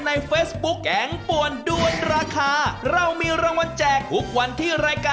มิตรชาติมิตรชาติ